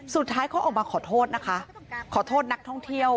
สุดท้ายเขาออกมาขอโทษนะคะขอโทษนักท่องเที่ยว